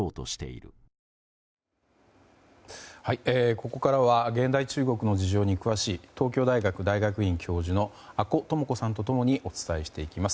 ここからは現代中国の事情に詳しい東京大学大学院教授の阿古智子さんと共にお伝えしていきます。